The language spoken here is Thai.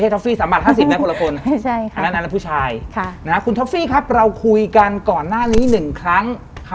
สวัสดีค่ะสวัสดีค่ะสวัสดีค่ะพี่แก๊ก